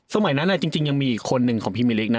สมัยนั้นจริงยังมีอีกคนหนึ่งของพิมิลิกนะ